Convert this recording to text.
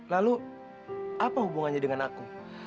lalu apa hubungannya dengan aku